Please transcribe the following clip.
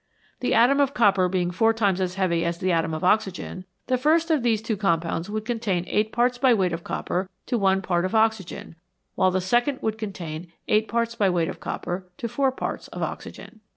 The atom of copper being four times as heavy as the atom of oxygen, the first of these two compounds would contain eight parts by weight of copper to one part of oxygen, while the second would contain eight parts by weight of copper to four parts of oxygen.